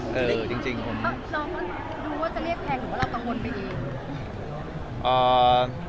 พี่น้องคงรู้ว่าจะเรียกแพงหรือก็ต้องบนไปเอง